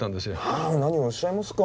あ何をおっしゃいますか。